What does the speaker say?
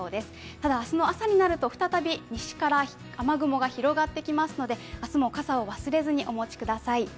ただ、明日の朝になると再び西から雨雲が広がってきますので、明日も傘を忘れずにお持ちください。